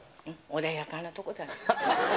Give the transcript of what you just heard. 穏やかなとこだね。